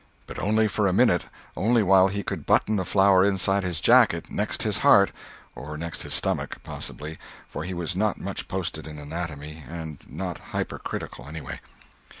But only for a minute—only while he could button the flower inside his jacket, next his heart—or next his stomach, possibly, for he was not much posted in anatomy, and not hypercritical, anyway.